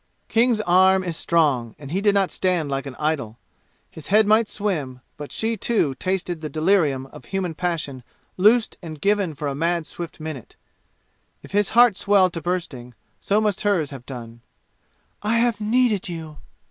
King's arm is strong, and he did not stand like an idol. His head might swim, but she, too, tasted the delirium of human passion loosed and given for a mad swift minute. If his heart swelled to bursting, so must hers have done. "I have needed you!"